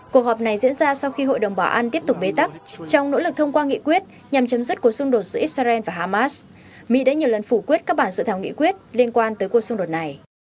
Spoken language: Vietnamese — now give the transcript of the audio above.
cuộc họp này diễn ra sau khi hội đồng bảo an tiếp tục bế tắc trong nỗ lực thông qua nghị quyết nhằm chấm dứt cuộc xung đột giữa israel và hamas mỹ đã nhiều lần phủ quyết các bản dự thảo nghị quyết liên quan tới cuộc xung đột này